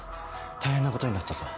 大変なことになったぞ。